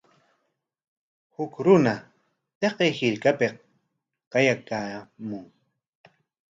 Huk runa taqay hirkapik qayakaykaamun.